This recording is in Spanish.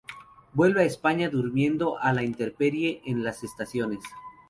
Vuelve a España durmiendo a la intemperie en las estaciones.